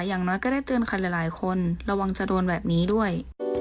อย่างน้อยก็ได้เตือนใครหลายคนระวังจะโดนแบบนี้ด้วย